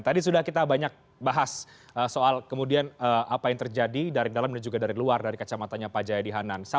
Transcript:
tadi sudah kita banyak bahas soal kemudian apa yang terjadi dari dalam dan juga dari luar dari kacamatanya pak jayadi hanan